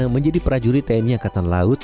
menjadi prajurit tni angkatan laut